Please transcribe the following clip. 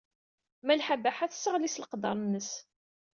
Malḥa Baḥa tesseɣli s leqder-nnes.